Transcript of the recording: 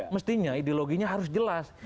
mestinya ideologinya harus jelas